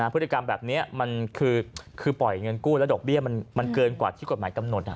พฤติกรรมแบบนี้มันคือปล่อยเงินกู้แล้วดอกเบี้ยมันเกินกว่าที่กฎหมายกำหนด